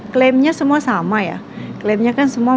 klaimnya semua sama ya klaimnya kan semua